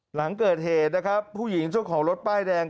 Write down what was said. หลังเกิดเหตุนะครับผู้หญิงเจ้าของรถป้ายแดง